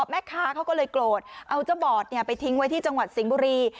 แม่ค้าเขาก็เลยโกรธเอาเจ้าบอดไปทิ้งไว้ที่จังหวัดสิงห์บุรี